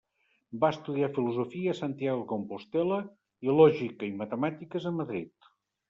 Va estudiar filosofia a Santiago de Compostel·la, i lògica i matemàtiques, a Madrid.